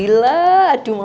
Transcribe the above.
udah ke kamar dulu